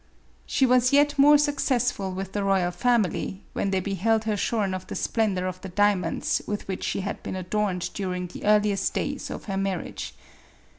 She was yet more successful with the royal family, when they beheld her shorn of the splendor of the diamonds with which she had been adorned during the earliest days of her marriage.